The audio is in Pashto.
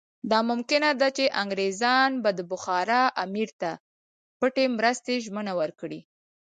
دا ممکنه ده چې انګریزان به د بخارا امیر ته پټې مرستې ژمنه ورکړي.